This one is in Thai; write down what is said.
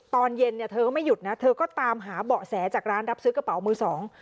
ตอนเย็นเนี่ยเธอก็ไม่หยุดนะเธอก็ตามหาเบาะแสจากร้านรับซื้อกระเป๋ามือสอง